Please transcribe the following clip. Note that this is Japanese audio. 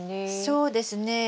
そうですね。